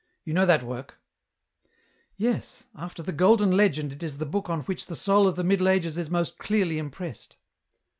You know that work ?"" Yes ; after the Golden Legend it is the book on which the soul of the Middle Ages is most clearly impressed."